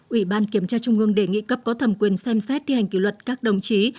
ủy ban kiểm tra trung ương đề nghị cấp có thầm quyền xem xét thi hành kỷ luật các đồng chí